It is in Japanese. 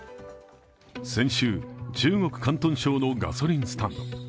先週、中国・広東省のガソリンスタンド。